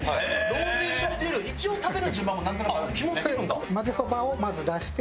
ローテーションっていうの一応食べる順番もなんとなくあるんですよね。